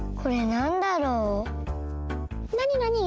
なになに？